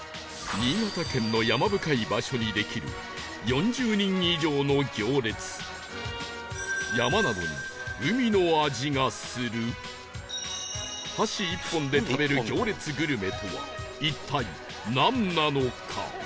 新潟県の山深い場所にできる箸１本で食べる行列グルメとは一体なんなのか？